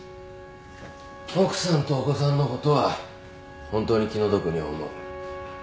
奥さんとお子さんのことは本当に気の毒に思う。